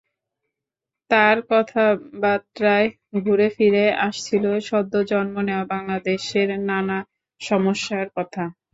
তাঁর কথাবার্তায় ঘুরেফিরে আসছিল সদ্য জন্ম নেওয়া বাংলাদেশের নানা সমস্যার কথা।